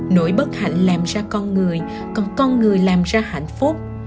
nỗi bất hạnh làm ra con người còn con người làm ra hạnh phúc